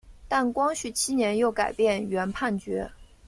但光绪七年又改变原判决。